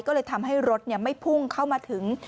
ก็เลยทำให้รถไม่พุ่งเข้ามาถึง